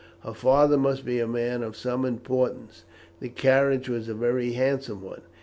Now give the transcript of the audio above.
Her father must be a man of some importance. The carriage was a very handsome one.